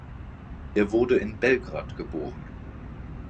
Er wurde in Belgrad geboren.